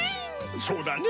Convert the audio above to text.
そうだね